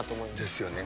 ですよね。